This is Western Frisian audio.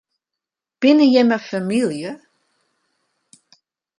Binne jimme famylje?